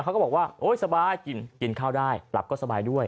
เขาก็บอกว่าโอ๊ยสบายกินข้าวได้หลับก็สบายด้วย